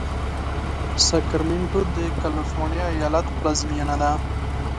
ساکرمنټو د کالفرنیا ایالت پلازمېنه ده.